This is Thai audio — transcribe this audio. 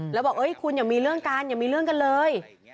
แล้วบอกคุณอย่ามีเรื่องกันอย่ามีเรื่องกันเลย